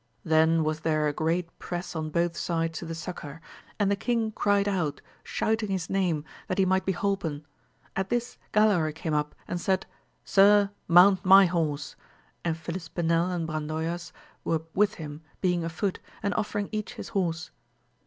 Then was there a great press on both sides to the succour, and the king cried out, shouting his name, that he might be holpen. At this Galaor came up, and said, sir, mount my horse ; and Filispinel and Brandoyuas were with him, being afoot, and offering each his horse.